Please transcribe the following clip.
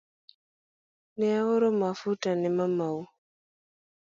Ne aoro mafua ne mamau